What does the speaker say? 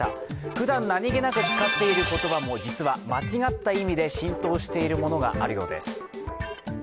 ふだん何気なく使っている言葉も実は間違った意味で浸透しているものがあるようです。